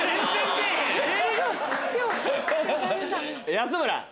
安村！